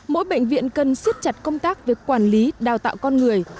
mỗi bệnh viện cần siết chặt công tác về quản lý đào tạo con người